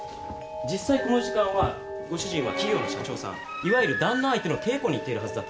実際この時間はご主人は企業の社長さんいわゆる旦那相手の稽古に行っているはずだったんです。